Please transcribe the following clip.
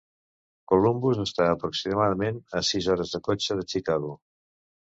Columbus està aproximadament a sis hores de cotxe de Chicago.